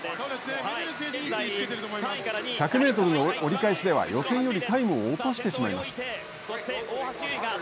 １００メートルの折り返しでは予選よりタイムを落としてしまいます。